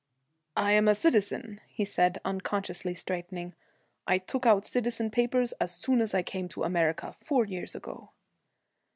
'I am a citizen,' he said, unconsciously straightening. 'I took out citizen papers as soon as I came to America, four years ago.'